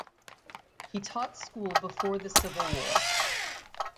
He taught school before the Civil War.